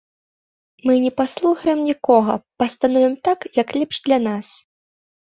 Мы не паслухаем нікога, пастановім так, як лепш для нас.